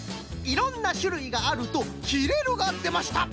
「いろんなしゅるいがある」と「きれる」がでました。